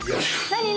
何？